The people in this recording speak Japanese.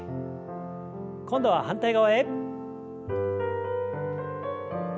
今度は反対側へ。